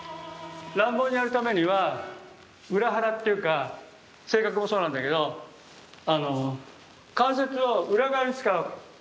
乱暴にやるためには裏腹っていうか性格もそうなんだけど関節を裏側に使うわけ。